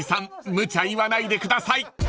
無茶言わないでください］